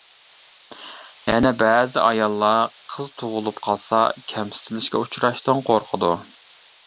يەنە بەزى ئاياللار قىز تۇغۇلۇپ قالسا كەمسىتىلىشكە ئۇچراشتىن قورقىدۇ.